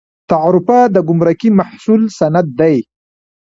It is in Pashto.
تعرفه د ګمرکي محصول سند دی